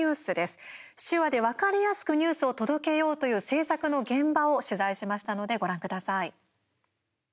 手話で、分かりやすくニュースを届けようという制作の現場を取材しましたのでご覧ください。